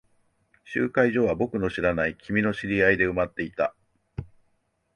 集会所は僕の知らない君の知り合いで埋まっていた。